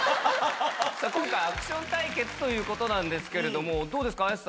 今回アクション対決ということなんですけれどもどうですか？